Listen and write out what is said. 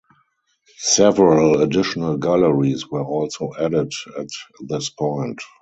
Several additional galleries were also added at this point.